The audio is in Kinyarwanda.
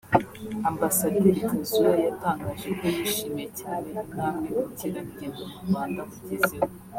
Ambasaderi Kazuya yatangaje ko yishimiye cyane intambwe ubukerarugendo mu Rwanda bugezeho